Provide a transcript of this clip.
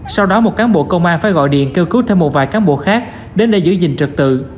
sau đó một cán bộ công an phải gọi điện kêu cứu thêm một vài cán bộ khác đến để giữ gìn trật tự